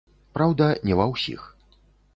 Праўда, не ва ўсіх.